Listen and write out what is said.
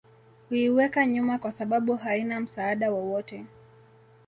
huiweka nyuma kwasababu haina msaada wowote